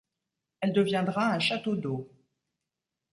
Elle deviendra un château d'eau.